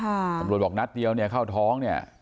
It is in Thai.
ตำรวจบอกนัดเดียวเนี่ยเข้าท้องเนี่ย